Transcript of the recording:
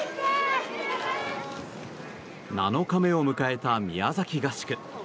７日目を迎えた宮崎合宿。